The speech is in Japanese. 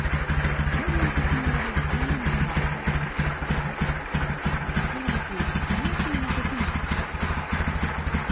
本人たちによる再現では先月、昼休みの時のこと。